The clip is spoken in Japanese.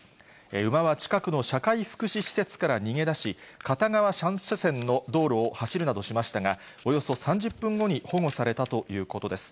馬は近くの社会福祉施設から逃げ出し、片側３車線の道路を走るなどしましたが、およそ３０分後に保護されたということです。